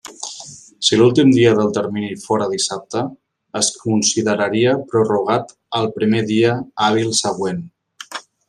Si l'últim dia del termini fóra dissabte, es consideraria prorrogat al primer dia hàbil següent.